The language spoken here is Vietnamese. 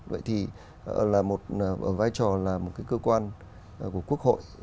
vậy thì ở vai trò là một cơ quan của quốc hội